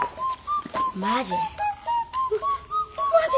マジ？